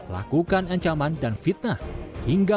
lakukan ancaman dan fungsi